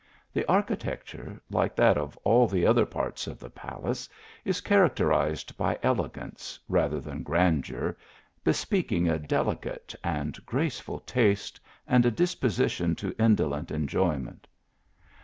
The architecture, like that of all the other parts of the palace, is char acterized by elegance, rather than grandeur, be speaking a delicate and graceful taste, and a dispo sition to indolent enjoyment.